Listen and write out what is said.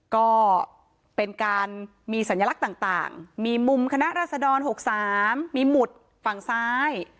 ก็เป็นการมีสัญลักษณ์ต่างมีมุมคณะรัศดร๖๓มีหมุดฝั่งซ้าย